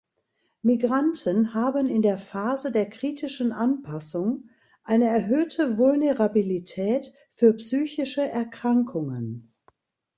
Migranten haben in der Phase der kritischen Anpassung eine erhöhte Vulnerabilität für psychische Erkrankungen.